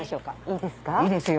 いいですよ